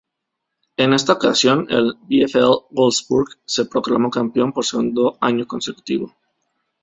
En esta ocasión el VfL Wolfsburg se proclamó campeón por segundo año consecutivo.